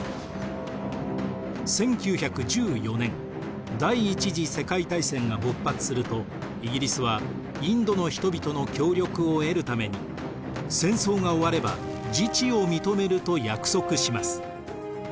１９１４年第一次世界大戦が勃発するとイギリスはインドの人々の協力を得るために戦争が終われば自治を認めると約束します。